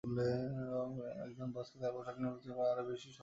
বরং একজন বসকে তাঁর পোশাক নির্বাচনের বেলায় আরও বেশি সতর্ক হতে হবে।